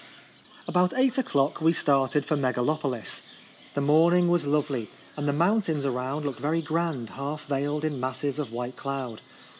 About eight o'clock we started for Megalopolis. The morning was lovely, and the mountains around looked very grand, half veiled in masses of white cloud.